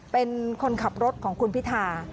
เป็นคนขับรถของคุณพิธา